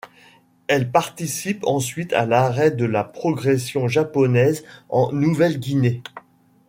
Elle participe ensuite à l'arrêt de la progression japonaise en Nouvelle-Guinée.